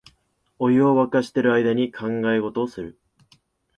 お湯をわかしてる間に考え事をする